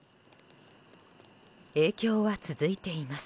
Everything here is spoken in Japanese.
影響は続いています。